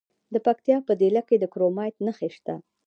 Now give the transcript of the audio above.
د پکتیکا په دیله کې د کرومایټ نښې شته.